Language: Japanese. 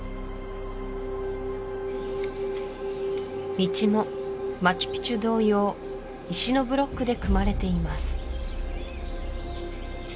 道もマチュピチュ同様石のブロックで組まれています